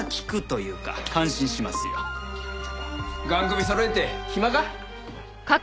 雁首そろえて暇か？